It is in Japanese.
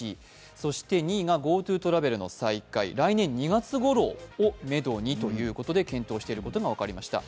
そして２位がＧｏＴｏトラベルの再開、来年２月ごろをめどにということで検討していることが分かりました。